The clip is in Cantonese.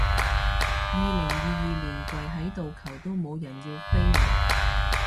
二零二二年跪喺度求都冇人要飛嚟